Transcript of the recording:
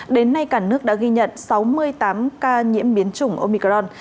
đến nay cả nước đã ghi nhận sáu mươi tám ca nhiễm biến chủng omicron